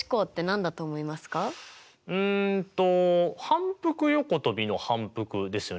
うんと反復横跳びの反復ですよね。